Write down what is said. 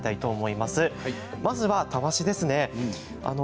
まずは、たわしですね。